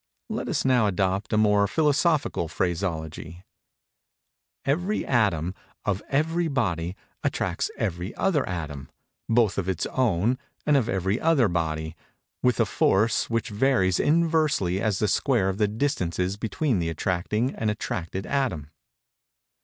Let us now adopt a more philosophical phraseology:—_Every atom, of every body, attracts every other atom, both of its own and of every other body, with a force which varies inversely as the squares of the distances between the attracting and attracted atom.